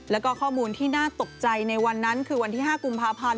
และความน่าตกใจในวันนั้นคือวันที่๕กรุงพาพรภาพ